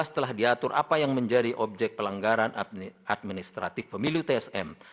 telah diatur apa yang menjadi objek pelanggaran administratif pemilu tsm